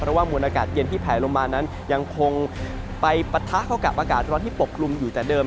เพราะว่ามวลอากาศเย็นที่แผลลงมานั้นยังคงไปปะทะเข้ากับอากาศร้อนที่ปกลุ่มอยู่แต่เดิม